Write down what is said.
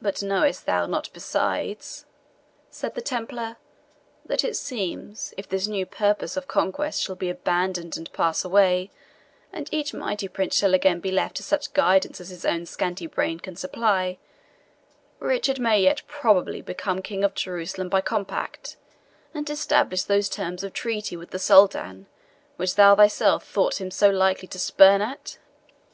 "But knowest thou not besides," said the Templar, "that it seems, if this new purpose of conquest shall be abandoned and pass away, and each mighty prince shall again be left to such guidance as his own scanty brain can supply, Richard may yet probably become King of Jerusalem by compact, and establish those terms of treaty with the Soldan which thou thyself thought'st him so likely to spurn at?"